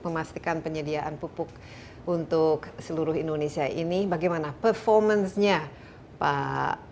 memastikan penyediaan pupuk untuk seluruh indonesia ini bagaimana performance nya pak